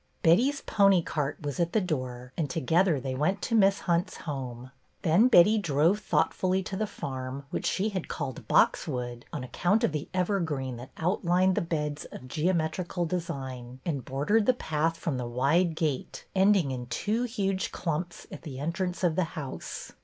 Betty's pony cart was at the door, and together they went to Miss Hunt's home ; then Betty drove thoughtfully to the farm, which she had called Boxwood " on account of the evergreen that outlined the beds of geometrical design, and bor dered the path from the wide gate, ending in two huge clumps at the entrance of the house.